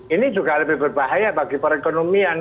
ini juga lebih berbahaya bagi perekonomian